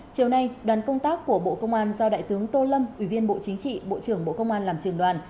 chiều nay đoàn công tác của bộ công an do đại tướng tô lâm ủy viên bộ chính trị bộ trưởng bộ công an làm trường đoàn